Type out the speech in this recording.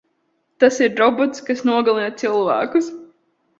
Tas ir robots, kas nogalina cilvēkus.